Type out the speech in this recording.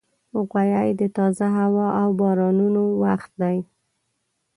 غویی د تازه هوا او بارانونو وخت دی.